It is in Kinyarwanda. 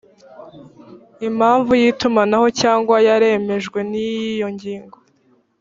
impamvu y’itumanaho cyangwa yaremejwe ni iyo ngiyo